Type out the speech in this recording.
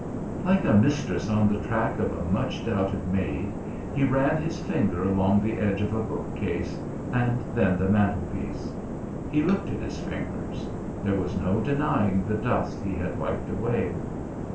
Like a Mistress on the track of a much doubted maid he ran his finger along the edge of a bookcase and then the mantlepiece. He looked at his fingers; there was no denying the dust he had wiped away.